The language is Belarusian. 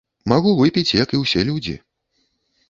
Магу выпіць, як і ўсе людзі.